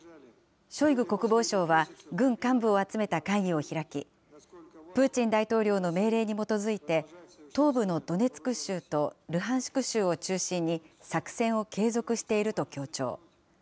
ショイグ国防相は、軍幹部を集めた会議を開き、プーチン大統領の命令に基づいて、東部のドネツク州とルハンシク州を中心に作戦を継続していると強調。